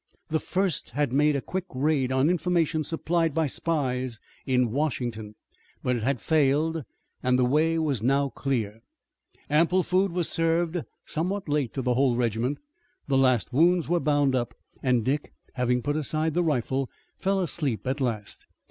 The first had made a quick raid on information supplied by spies in Washington, but it had failed and the way was now clear. Ample food was served somewhat late to the whole regiment, the last wounds were bound up, and Dick, having put aside the rifle, fell asleep at last.